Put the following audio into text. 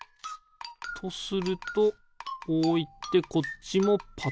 とするとこういってこっちもパタンと。